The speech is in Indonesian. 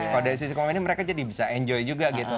kalau dari sisi komennya mereka jadi bisa enjoy juga gitu